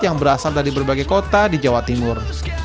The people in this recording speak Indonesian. yang berasal dari berbagai kota di jawa timur